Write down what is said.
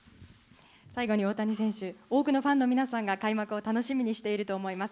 最後に大谷選手、多くのファンの皆さんが開幕を楽しみにしていると思います。